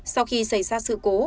sau khi xảy ra sự cố